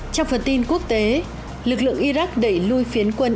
trong phần tin quốc tế lực lượng iraq đẩy lùi phiến quân